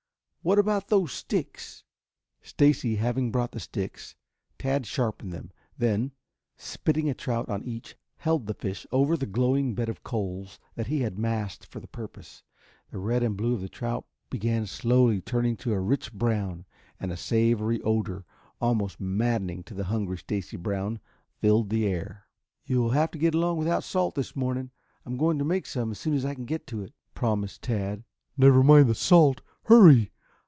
What about those sticks?" Stacy having brought the sticks, Tad sharpened them; then, spitting a trout on each, held the fish over the glowing bed of coals that he had massed for the purpose. The red and blue of the trout began slowly turning to a rich brown, and a savory odor, almost maddening to the hungry Stacy Brown, filled the air. "You will have to get along without salt this morning. I'm going to make some as soon as I can get to it," promised Tad. "Never mind the salt. Hurry!